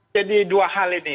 jadi dua hal ini